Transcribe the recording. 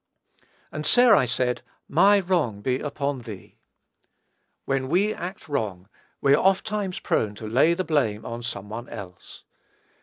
"And Sarai said, My wrong be upon thee." When we act wrong, we are ofttimes prone to lay the blame on some one else.